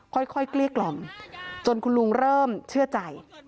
เกลี้ยกล่อมจนคุณลุงเริ่มเชื่อใจ